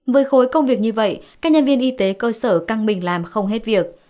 với khối công việc như vậy các nhân viên y tế cơ sở căng mình làm không hết việc